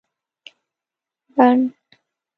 بڼ